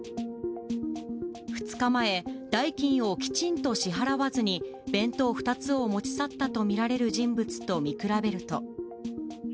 ２日前、代金をきちんと支払わずに弁当２つを持ち去ったと見られる人物と見比べると。